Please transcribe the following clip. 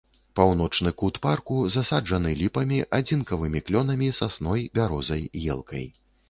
Паўночны кут парку засаджаны ліпамі, адзінкавымі клёнамі, сасной, бярозай, ёлкай.